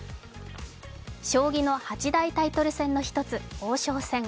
将棋の８大タイトル戦の１つ、王将戦。